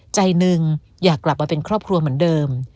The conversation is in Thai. ใจหนึ่งอยากกลับมาเป็นครอบครัวเหมือนเดิม